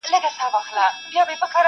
خوشالي لکه بلوړ داسي ښکاریږي -